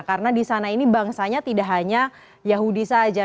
karena di sana ini bangsanya tidak hanya yahudi saja